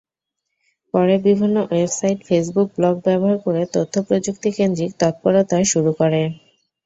পরে বিভিন্ন website, Facebook, blog ব্যবহার করে তথ্যপ্রযুক্তিকেন্দ্রিক তৎপরতা শুরু করে।